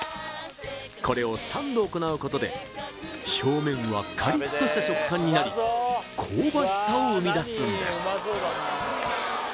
これを３度行うことで表面はカリッとした食感になり香ばしさを生み出すんです